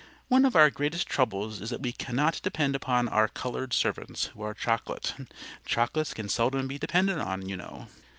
One of our greatest troubles is that we cannot depend upon our colored servants, who are chocolate. Chocolates can seldom be depended on, you know."